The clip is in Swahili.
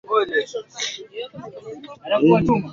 msisimko na kufurahia mtazamo mkubwa wa jiji Tembelea